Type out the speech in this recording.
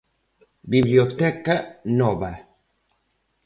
Biblioteca Nova.